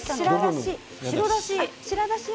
白だし